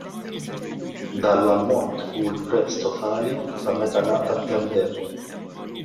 Dan l-ammont hu l-prezz totali ta' meta ngħata t-tender.